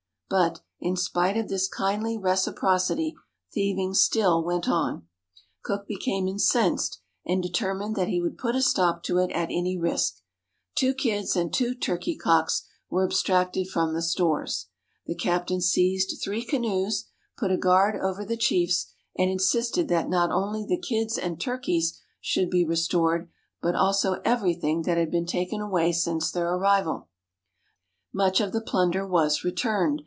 But, in spite of this kindly reciprocity, thieving still went on. Cook became incensed, and determined that he would put a stop to it 5" ISLANDS OF THE PACIFIC at any risk. Two kids and two turkey cocks were ab stracted from the stores. The captain seized three canoes, put a guard over the chiefs, and insisted that not only the kids and turkeys should be restored, but also everything that had been taken away since their arrival. Much of the plunder was returned.